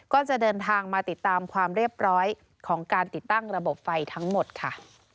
ก็จะเดินทางมาติดตามความเรียบร้อยของการติดตั้งระบบไฟทั้งหมดค่ะ